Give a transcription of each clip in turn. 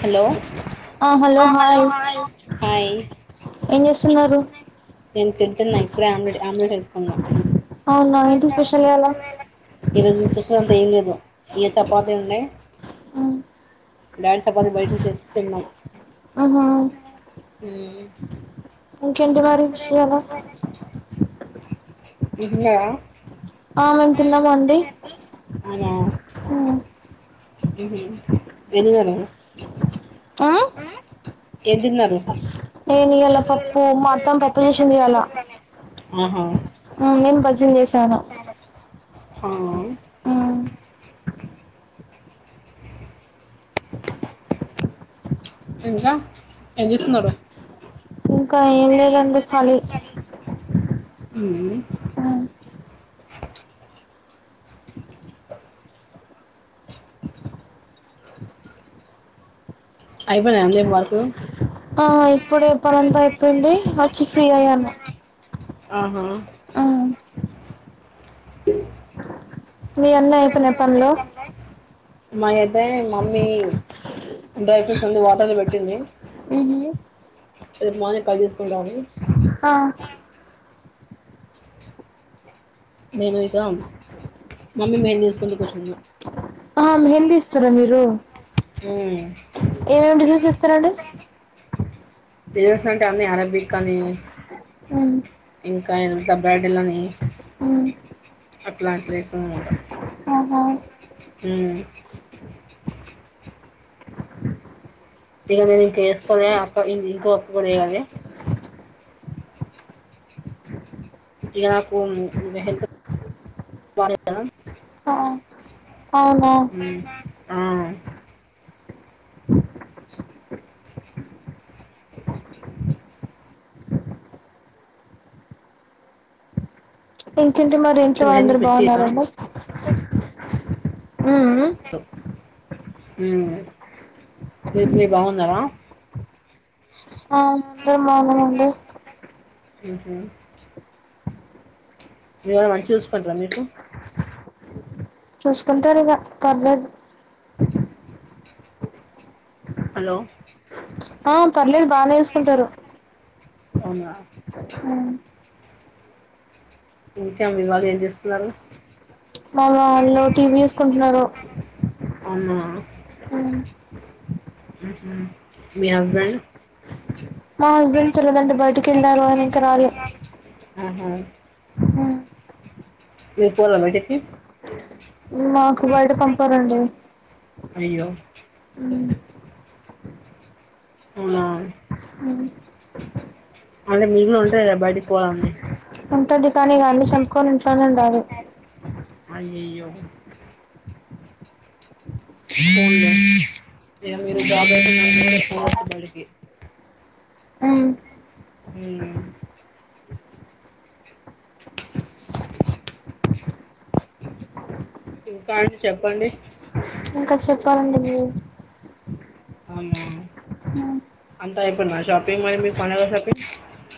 Hello ఆ hello hi hi ఏం చేస్తున్నారు నేను తింటున్న ఇప్పుడే ఆమ్లెట్ వేసుకున్న అవునా ఏంటి స్పెషల్ ఇయ్యాల ఈ రోజు స ఏం లేదు ఏ చపాతి ఉన్నాయి డాడి బయట నుండి చపాతి తెస్తే తిన్నాం ఆహా ఇంకేంటి మరి విషయాలు తిన్నారా ఆ మేము తిన్నమండి ఎం తిన్నారు ఆ ఏం తిన్నారు నేను ఇయాలా పప్పు మాఅత్తం పప్పు చేసింది ఇయాలా ఆహా ఆ నేను బజ్జీలు చేసాను ఆ ఇంకా ఏం చేస్తున్నారు ఇంకా ఏం లేదండి ఖాళీ అ ఉమ్, అ అయిపోయిందా అండి వర్క్ ఆ ఇప్పుడే పనంత అయిపోయింది వచ్చి ఫ్రీ అయ్యాను ఆహ ఉమ్, స మీ యన్ని అయిపోయినయా పనులు మా అయితే మమ్మీ డ్రై ఫ్రూట్స్ అన్నీ వాటర్లు పెట్టింది ఉహు. రేపు మార్నిగ్ కట్ తీసుకుంటాని ఆ నేను ఇక మమ్మీ మేము తీసుకుంటూ కూర్చున్నా ఆ హెంద ఇస్తస్తారా మీరు ఆ ఏమేమి డిజైన్ చేస్తారంండి తె అంటే అీ అరబిక్ అని ఉమ్, ఇంకా దబ్రాడలని ఉమ్. అట్లాట్లే వస్తుంది అనమాట ఆహా అ ఇక నేను ఇంక వేసుకోనే అక్క ఇంకో అక్క కూడా వేయాలి మహల్ ఆ అవునా హ ఇంకేంటి మరి ఇంట్లో మెహందీ వాళ్ళందరు పిచ్చి చేసా బాగున్నారండి హ మీ మీ బాగున్నారా ఆ మందర మనముండ ఇహ మీళ మంచిగా చూసుకుంటార మీకు చూసుకుంటారు ఇక పలది హలో ఆ పర్లేదు బాగానే వేసుకుంటారు అవునా ఇంకాే వివాళం ఏం చేస్తున్నారు వాళ్ళ వాళ్ళు టీవీ చూసుకుంటున్నారు అవున్నా ఉమ్. మీ హస్బెండ్ మా హస్బెండ్ చలదండి బయటికి వెళ్ళారు అని ఇంక రాల ఆహా ఇ పోల్మట మాకు బయట పంపారంండి అయ్యో అవునా అంట మ ఉంటబ్ బటి పోల ఉ ఉంటుది కానీ ఇ అన్ని చంపుకొని ఇంట్లోనే ఉండాలి అయి అయి మీరు బయడికి ఉమ్. అ ఇంకా అండి చెప్పండి ఇంకా చెప్పాలండి బవ్ అమ అంతా అయిపోడుమా షాపింగ్ మరి మీకు కొన క షాపింగ్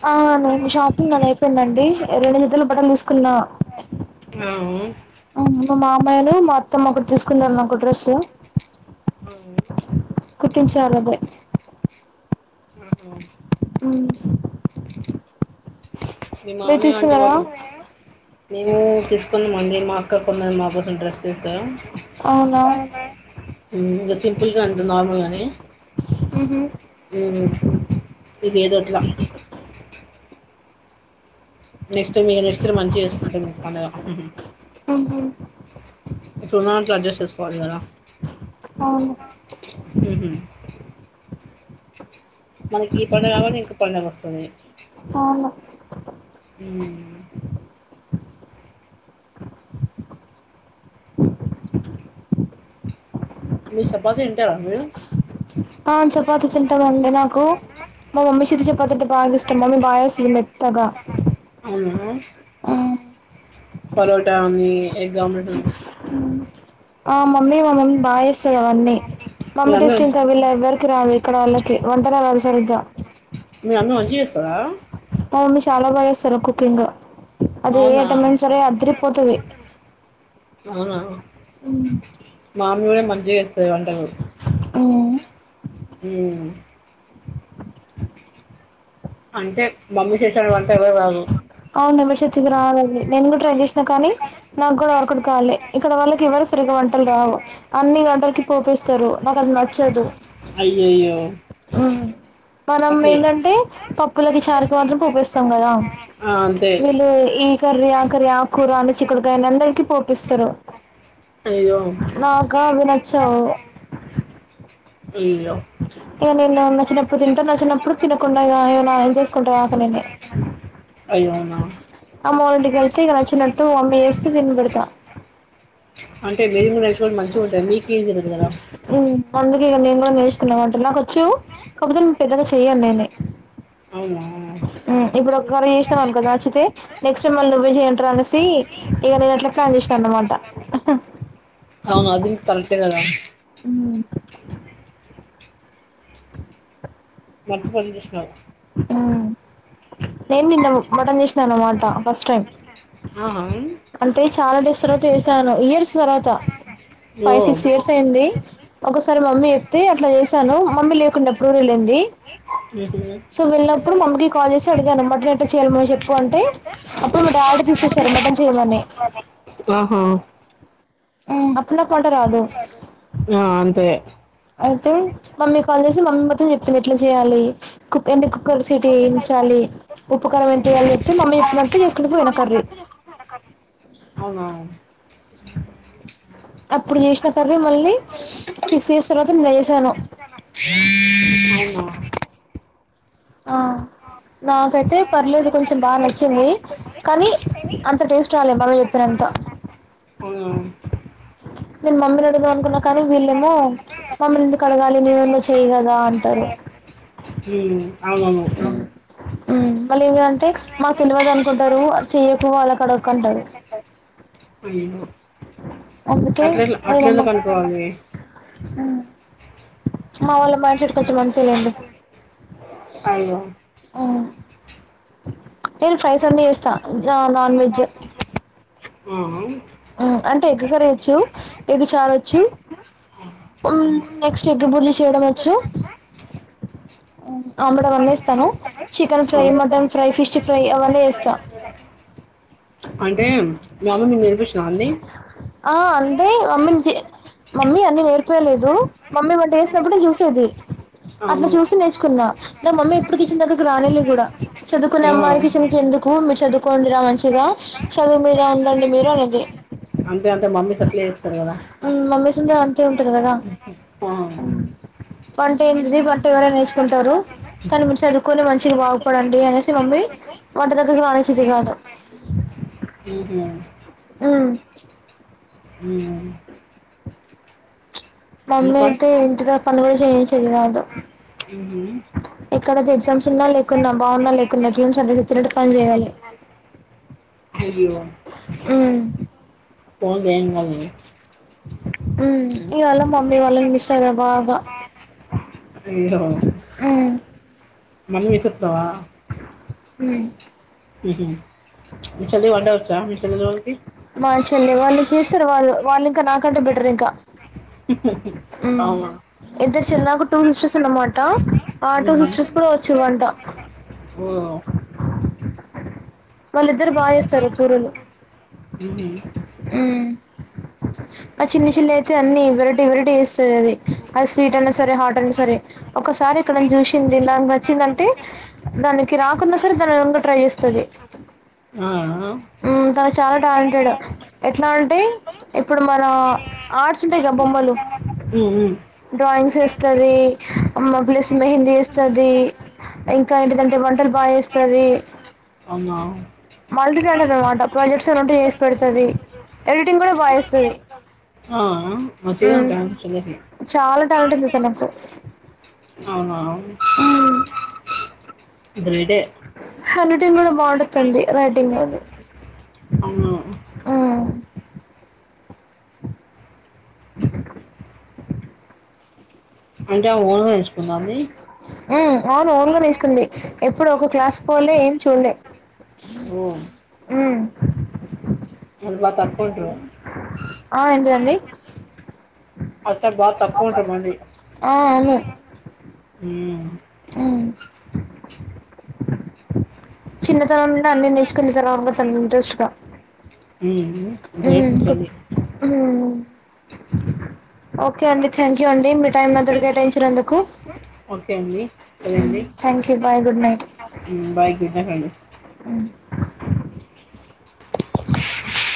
ఆ నును షాపింగ్ నన అయిపోయినండి రెండు హదులు బట్టలు తీసుకున్నా అవు మా మా అమాయిలు మా అొత్తం ఒకటి తీసుకుంటన్న ఒక డ్రెస్ ఆవు కుటిం చారుద ఆహ మీ మీరు మామ్య అంటే తీసుకున్నారా వాళ్ళు మేము తీసుకున్నమంది మా అక్క కొన్నది మా కోసం డ్రెస్ చేస్తాం అవునా ఇంకా సింపుిల్గా ఉంట నార్మల్గానే ఇహ ఉమ్ ఇది ఏదోట్లా నెక్స్ట్ మీ నెక్స్ట్ ది మంచిగా చేసుకుంటం మేం పండగా ఉహ్ హు ఉహు ఇప్డ్ ఉన్నదాంట్లో అడ్జస్ట్ చేసుకోవాలి గాదా అవును ఉహ్ హు మనకి ఈ పండుగ కంగన్నే ఇంకో పండగ వస్తుంది. అవును ఉమ్ మీర్ చపాతింటారా మీరు? ఆ చపాతింటామండి. నాకు మా మమ్మీ సేత్ చాపాతంటే బాగ్ ఇష్టం. మమ్మీ బా సేత్తుంది మెత్తగా. అవునామ్మ పోలోటా మీ ఎగ్ ఆమ్లేట్ ఆ మమ్మీ మా మమ్మీ బాజెస్సదవన్ని మీ మమ్మీ అమ్మ టేస్ట్ ఇంకా వీళ ఎవ్వరికి రాదు. ఇక్కడోళ్ళకి వంటనే రాదు సరిగ్గా. మీ అమ్మ మంచిచేత్తదా. అవును చాలా బాగా ఇస్తారు కుకింగ్. అది ఏ అవునా ఐటమ అయినా సరే అద్దరిపోతది. అవునా మామ్మీ కూడా మంచిగ్ చేత్తది. వంటలు ఉమ్ అంటే మమ్మీ చేసాన్ వంట ఎవరాక్ రాదు. అవును ఎవరు చేతికి రాదది. నేను కూడా ట్రై చేసినా కానీ, నాగూడా వరుకుడ్ కాలే ఇక్కడ వాళ్ళకి ఎవరు స్ సరిగ్గా వంటలు రావు, అన్ని వంటలకి పోపేస్తారు. నాకది నచ్చదు. అయ్యయ్యో హ్మ్. మనం అట్లే ఏంటంటే. పప్పులకి, చారుకి మాత్రం పోపేస్తాం కదా. ఆ అంతే వీళ్ళు ఈ కర్రీ, ఆ కర్రీ ఆకూర అని, చిక్కుడుకాయ అని, అందరికి పోపేస్తారు. అయ్యో నాకా అవినచ్చవు. ఇయ్య ఇగ నేన్ నా నా చ్చినప్పుడు తింటున్న, చ్చినప్పుడు తినకుండా, ఇగ ఏమన్న హెల్త్ రిస్క్ ఉంటాద్ ఆకాలనే అయ్యో! అవునా అమ్మ వోలిన్టికి వెళ్తే, ఇగా నచ్చినట్టు అమ్మ ఏస్తూ తినిబడతా. అంటే మీరు మీ బెస్ట్రేండ్ మంచిగా ఉంటద్. మీకు ఏం జరగదు కదా. ఉమ్ అందుకే ఇగ నేను కూడా నేర్చుకున్న వంటలు నాకొచ్చు. కాపోతే పెద్దగా చెయ్యన్ నేనే. అవునా ఉమ్ ఇప్పుడు ఒక కర్రీ చేశ్నం అనుకో నచ్చితే. నెక్స్ట్ టైం మళ్ నువ్వే చెయ్ అంటారనేసి ఇగ నేట్లా జేష్నా అన్నమాటా. అవును అది మీ కరెక్ట్కేదా మంచిపంజేష్నవ్ ఉమ్ నేన్దింటను మటన్ చేస్నా అన్నమాట ఫస్ట్ టైం ఆ హామ్ అంటే చాలా డేస్ తర్వాత చేసాను. ఇయర్స్ తర్వాత. ఓ ఫైవ్ సిక్స్ ఇయర్స్ అయింది. ఒకసారి మమ్మీ చెప్తే అట్లా చేసాను, మమ్మీ లేకుండా ఎప్డు వెళ్ళేం ది ఉహ్ హు సో వెళ్ళినప్పుడు మమ్కి కాల్ చేసి అడిగాను, మటన్ ఎట్లా చెయాలి మే చెప్పు అంటే. అప్పుడు మా డాడి తీసుకొచ్చారు మటన్ చేయమని ఆహ ఉమ్ అప్పుడ్నాక్ వంట రాదు ఆ అంతే అయితే మమ్మీ కాల్ చేసి మమ్మీ మొత్తం చెప్పింది. ఎట్లా చెయ్యాలి కుక్ ఎన్ని కుక్ కర్ సీటీయించాలి ఉప్పు, కారం ఎంతేయ్యాలి చెప్తే. మమ్మీ చెప్పినట్టు చేసుకుంటూ పోయిన కర్రీ. అవునా అప్పుడు చేసిన కర్రీ మళ్ళీ సిక్స్ ఇయర్స్ తర్వాత నిన్న చేసాను అవునా ఆ నాకైతే పర్లేదు కొంచెం బాగా నచ్చింది కానీ అంత టేస్ట్ రాలే [unintelligible] బాబా చెప్పినంత ఉం న మమ్మ [unintelligible] [unintelligible] అడగ అనుకున్నా కానీ వీళ్ళేమో మమ్మల్ని ఎందుకు కడగాలి నీవున్నో చేయ్యగదా అంటారు ఉం అవును ఉం మళ్ళీ ఏమింటే మాకు తెలవద్దు అనుకుంటారు చెయ్యకు వాళ్ళక్కడ ఒక్క అంటారు ఎమో అందుకే అట్ల అట్ల అమ్మమ్మ ఎందుకనుకావాలి మా వాళ్ళ మైండ్ సెట్ కొంచెం అంతే లెండి అయ్యో నేను ఫ్రైస్ అన్నీ చేస్తా జా నాన్ వెజ్ ఉం అంటే ఎగ్ కర్రీ వచ్చు ఎగ్ చారోచ్చు ఉం నెక్స్ట్ ఎగ్ బుర్జి చేయడం వచ్చు ఆమ్లెట్ అవన్నీ వేస్తాను చికెన్ ఫ్రై ఆ. మటన్ ఫ్రై ఫిష్ ఫ్రై అవన్నీ చేస్తా అంటే మీ మమ్మీ నీకు నేర్పిచ్చిందా అన్ని ఆ అంటే మమ్మీ మమ్మీ అన్నీ నేర్పియలేదు మమ్మీ వంట చేసినప్పుడు నే చూసేది అట్లా అవును చూసి నేర్చుకున్నా నే మమ్మీ ఎప్పుటికి కిచెన్ రానే లే కూడా చదుకునే ఆ, అమ్మాయి కిచెన్ కు ఎందుకు మి చదువుకోండిరా మంచిగా చదువు మీద ఉండండి మీరు అనేది అంతే అంతే మమ్మీస్ సట్లే చేస్తారు కదా మమ్మీస్ అందరు అంతే ఉంటది కదా ఆ వంట ఏంటిది వంట ఎవరైనా నేర్చుకుంటారు కాని మీరు చదువుకొని మంచిగా బాగుపడండి అనేసి మమ్మీ వంట దగ్గరకి రానిచేది కాదు హు హమ్ మ్మ్ హు మమ్మ అయితే ఇంటి కాడ పనులు కూడా చేయించేది కాదు మ్హూ. ఇక్కడ ఎగ్జామ్స్ ఉన్నా లేకున్నా బాగున్నా లేకున్నా టీమ్స్ [unintelligible] అండ సచ్చినట్టు పని చేయాలే హరి మ్మ్ పో దని కాని [unintelligible] ఉం ఇవాలా మమ్మి వాళ్ళని మిస్స్ అయిన బాగ మన ఇసుత్వా [unintelligible] ఉం హు హమ్ మీ చెల్లి వంట వచ్చా మీ చెల్లి లోల్కి మా చెల్లి వాళ్ళు చేస్తారు వాళ్ళు వాళ్ళు ఇంకా నాకంటే బేటరు ఇంకా ఉం అవునా ఇద్దరు చెరి నాకు టూ సిస్టర్స్ అన మాటా ఆ టూ ఉమ్. సిస్టర్స్ కూడా వచ్చు వంట ఓ వాళ్ళిద్దరు బాగ చేస్తారు కూరలు ఉమ్. ఆ చిన్న చెల్లి అయితే అన్ని వెరైటీ వెరైటీ చేస్తది అది అది స్వీట్ అన్న సరే హాట్ సరే ఒకసారి ఎక్కడతిన చూసింది దానికి నచ్చిందంటే దానికి రాకున్నా సరే దానిని ముందు ట్రై చేస్తది ఆ తను చాలా టాలెంటెడ్ ఎట్లా అంటే ఇప్పుడు మన ఆర్ట్స్ ఉంటాయిగా బొమ్మలు మ్మ్ మ్మ్ డ్రాయింగ్స్ వేస్తది మా ప్లస్ మెహందీ వేస్తది ఇంకా ఏంటిదంటే వంటలు బాగా చేస్తది అవునా మల్టీటాలెంటెడ్ అన్నమాట ప్రాజెక్ట్స్ ఏవన్నా ఉంటే చేసి పెడతది ఎడిటింగ్ కూడా బాగా చేస్తది స్తది వచ్చే ఉంటాం కిందకీ కరెంట్ ఉంది తమకు అవునా గ్రేటే హ్యాండ్ రైటింగ్ కూడా బాగుంటది తనది రైటింగ్ గానీ అవునా అంటే ఓన్ వాయిస్ హ్మ్ అవును ఓన్ గా నేర్చుకుంది ఎప్పుడూ ఒక క్లాస్ పోలే ఏం చూడలే ఓ మ్మ్ మల్ల తక్కువుంటరా ఆ ఏంటండి అట్టా కాదు తక్కువ ఉంటామండి ఆ అవును మ్మ్ ఉమ్, చిన్నతనం నుండి అన్నీ నేర్చుకున్న తానా అంట తను ఇంట్రస్ట్ గా హ్మ్ మ్మ్ మ్మ్ ఓకే అండి థ్యాంక్ యూ అండి మీ టైం మాతోటి కేటాయించినందుకు ఓకే అండి సరే అండి thank you bye good night హ్మ్ బై గుడ్ నైట్ అండి